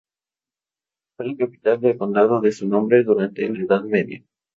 Fue la capital del condado de su nombre durante la Edad Media.